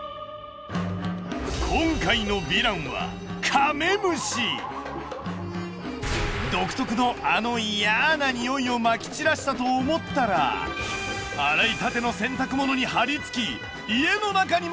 今回のヴィランは独特のあのイヤなニオイをまき散らしたと思ったら洗いたての洗濯物に張り付き家の中にまで侵入！